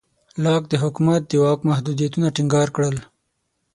لاک د حکومت د واک محدودیتونه ټینګار کړل.